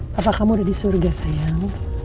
bapak kamu udah di surga sayang